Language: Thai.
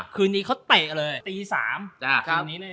คืนนี้เขาเตะเลยตี๓